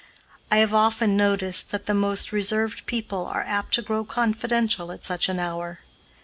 I have often noticed that the most reserved people are apt to grow confidential at such an hour.